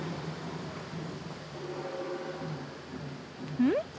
・うん？